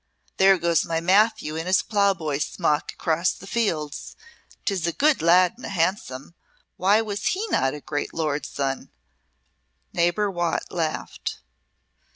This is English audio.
There goes my Matthew in his ploughboy's smock across the fields. 'Tis a good lad and a handsome. Why was he not a great lord's son?" Neighbour Watt laughed.